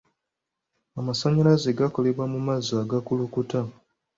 Amasannyalaze gakolebwa mu mazzi agakulukuta